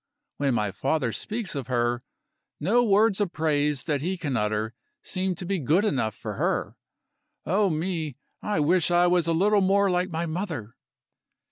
When my father speaks of her, no words of praise that he can utter seem to be good enough for her. Oh, me, I wish I was a little more like my mother!